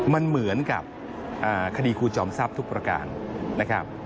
มันเหมือนกับคดีครูจอมทรัพย์ทุกประการนะครับ